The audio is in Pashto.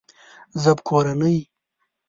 ژبکورنۍ